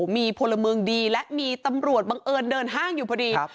มีพลเมืองดีและมีตำรวจบังเอิญเดินห้างอยู่พอดี